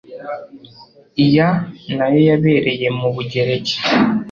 iya nayo yabereye mu bugereki